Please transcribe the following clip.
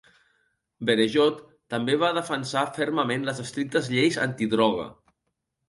Berejot també va defensar fermament les estrictes lleis antidroga.